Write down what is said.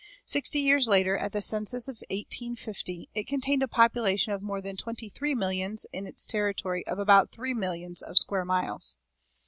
Sixty years later, at the census of 1850, it contained a population of more than twenty three millions in its territory of about three millions of square miles.